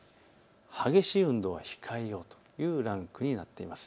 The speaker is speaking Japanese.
激しい運動は控えようというランクになっています。